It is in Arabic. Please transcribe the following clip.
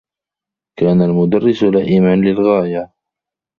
كان المدرّس لئيما للغاية.